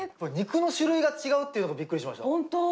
肉の種類が違うっていうのがびっくりしました。